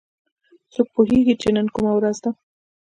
څوک پوهیږي چې نن کومه ورځ ده